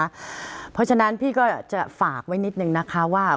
เพราะฉะนั้นพี่ก็จะฝากไว้นิดนึงนะคะว่า